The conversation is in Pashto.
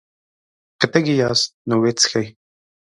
که تږي ياست نو ويې څښئ!